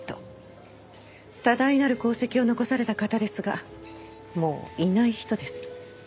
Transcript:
多大なる功績を残された方ですがもういない人です。